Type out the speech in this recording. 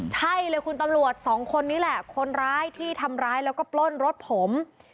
ใช่เลยคุณตำรวจสองคนนี้แหละคนร้ายที่ทำร้ายแล้วก็ปล้นรถผม